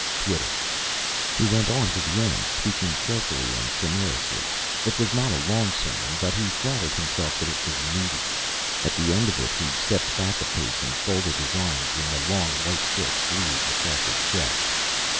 Twitter. He went on to the end, speaking carefully and sonorously. It was not a long sermon, but He flattered Himself that it was meaty. At the end of it He stepped back a pace, and folded His arms, in their long white silk sleeves, across His chest.